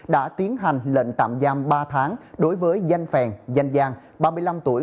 đã tiến hành lệnh tạm giam ba tháng đối với danh phèn danh giang ba mươi năm tuổi